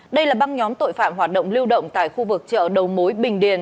đây là băng nhóm tội phạm hoạt động lưu động tại khu vực chợ đầu mối bình điền